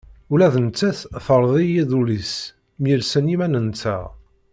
Ula d nettat teldi-yi-d ul-is, myelsen yimanen-nteɣ.